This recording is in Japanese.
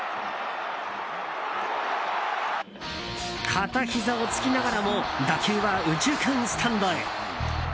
片ひざをつきながらも打球は右中間スタンドへ！